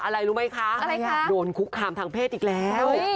อะไรรู้ไหมคะโดนคุกคามทางเพศอีกแล้ว